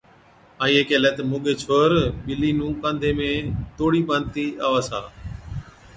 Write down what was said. آئِيئَي ڪيهلَي تہ، ’موڳَي ڇوهر، ٻلِي نُون ڪانڌي ۾ توڙَي ٻانڌتِي آوَس ها‘۔